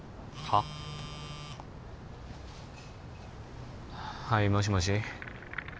はいもしもし